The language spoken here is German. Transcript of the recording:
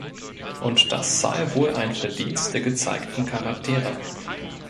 Und das sei wohl „ein Verdienst“ der gezeigten „Charaktere“.